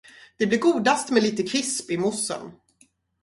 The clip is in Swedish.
Det blir godast med lite krisp i moussen.